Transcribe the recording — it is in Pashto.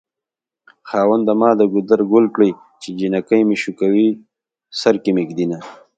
خاونده ما دګودر ګل کړی چې جنکي مې شوکوی سرکې مې ږد ينه